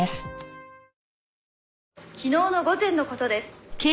「昨日の午前の事です」